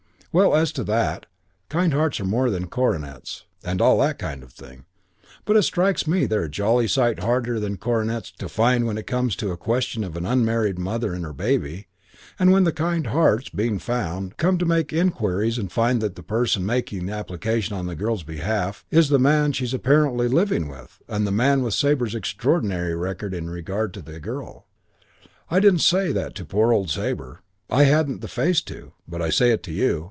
Well, as to that, kind hearts are more than coronets and all that kind of thing, but it strikes me they're a jolly side harder than coronets to find when it comes to a question of an unmarried mother and her baby, and when the kind hearts, being found, come to make inquiries and find that the person making application on the girl's behalf is the man she's apparently living with, and the man with Sabre's extraordinary record in regard to the girl. I didn't say that to poor old Sabre. I hadn't the face to. But I say it to you.